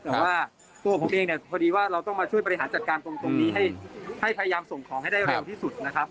แต่ว่าตัวผมเองเนี่ยพอดีว่าเราต้องมาช่วยบริหารจัดการตรงนี้ให้พยายามส่งของให้ได้เร็วที่สุดนะครับ